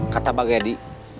kata pak gedi